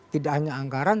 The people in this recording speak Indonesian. tidak hanya anggaran